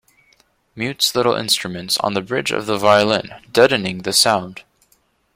Mutes little instruments on the bridge of the violin, deadening the sound.